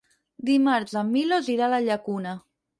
Dimarts en Milos irà a la Llacuna.